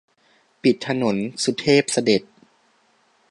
ปิดถนน สุเทพเสด็จ